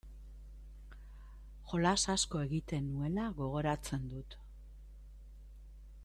Jolas asko egiten nuela gogoratzen dut.